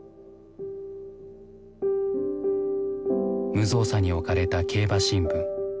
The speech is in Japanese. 無造作に置かれた競馬新聞。